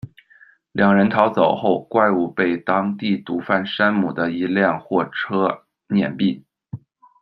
两人逃走后，怪物被当地毒犯山姆的一辆货车辗毙。